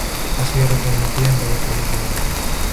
Ha sido retransmitida en varios países de Europa.